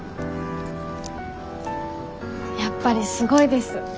やっぱりすごいです。